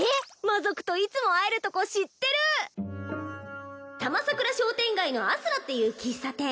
魔族といつも会えるとこ知ってるたまさくら商店街のあすらっていう喫茶店